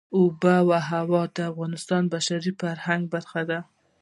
آب وهوا د افغانستان د بشري فرهنګ برخه ده.